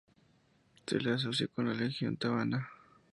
Se la asocia con la legión tebana.